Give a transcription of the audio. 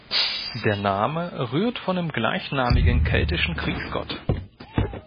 Der Name rührt von dem gleichnamigen keltischen Kriegsgott.